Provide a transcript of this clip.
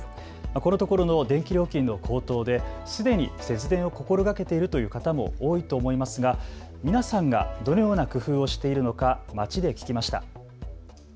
このところの電気料金の高騰ですでに節電を心がけているという方も多いと思いますが皆さんがどのような工夫をしているのか街で聞きました。